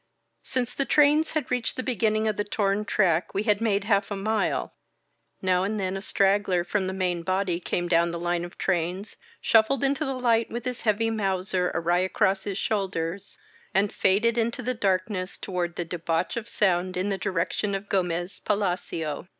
Since the trains had reached the beginning of the torn track we had made half a mile. Now and then a straggler from the main body came down the line of trains, shuffled into the light with his heavy Mauser awry across his shoulders, and faded into the darkness toward the debauch of sound in the direction of Gomez Palacio.